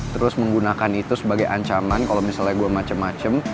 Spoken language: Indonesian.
terus menggunakan itu sebagai ancaman kalau misalnya gue macem macem